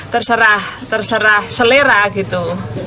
terserah terserah selera gitu